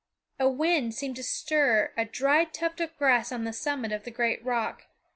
A wind seemed to stir a dried tuft of grass on the summit of the great rock.